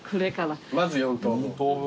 まず４等分。